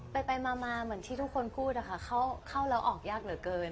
ไปมาเหมือนที่ทุกคนพูดนะคะเข้าแล้วออกยากเหลือเกิน